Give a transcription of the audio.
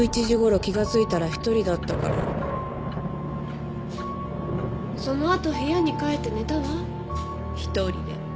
１１時頃気がついたら一人だったからそのあと部屋に帰って寝たわ一人で。